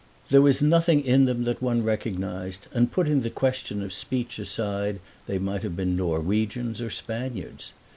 There was nothing in them that one recognized, and putting the question of speech aside they might have been Norwegians or Spaniards.